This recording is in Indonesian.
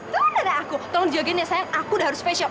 di rumah nenek aku tolong dijagain ya sayang aku udah harus facial